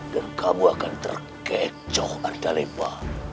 dan kamu akan terkecoh wartalepa